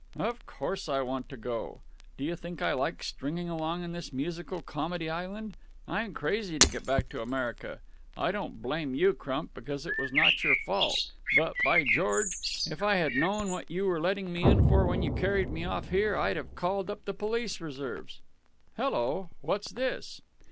"Of course I want to go! Do you think I like stringing along in this musical comedy island? I'm crazy to get back to America. I don't blame you, Crump, because it was not your fault, but, by George! if I had known what you were letting me in for when you carried me off here, I'd have called up the police reserves. Hello! What's this?"